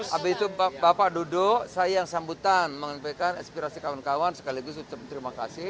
habis itu bapak duduk saya yang sambutan menyampaikan aspirasi kawan kawan sekaligus terima kasih